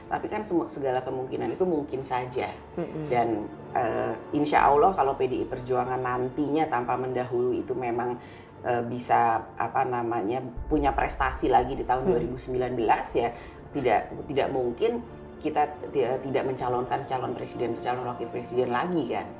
tapi kan segala kemungkinan itu mungkin saja dan insya allah kalau pdi perjuangan nantinya tanpa mendahului itu memang bisa punya prestasi lagi di tahun dua ribu sembilan belas ya tidak mungkin kita tidak mencalonkan calon presiden atau calon wakil presiden lagi kan